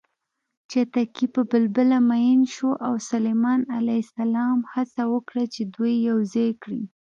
چتکي په بلبله مین شو او سلیمان ع هڅه وکړه چې دوی یوځای کړي